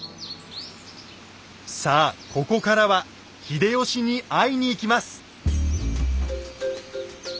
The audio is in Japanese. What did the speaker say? さあここからは秀吉に会いに行きます。